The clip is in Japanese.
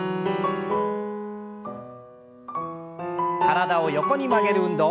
体を横に曲げる運動。